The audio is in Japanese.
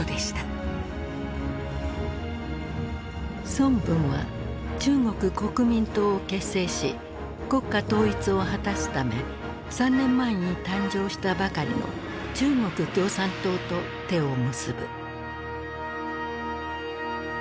孫文は中国国民党を結成し国家統一を果たすため３年前に誕生したばかりの中国共産党と手を結ぶ。